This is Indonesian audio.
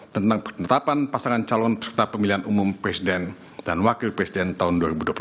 tentang penetapan pasangan calon peserta pemilihan umum presiden dan wakil presiden tahun dua ribu dua puluh empat